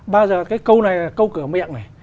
bao giờ cái câu này là câu cửa miệng này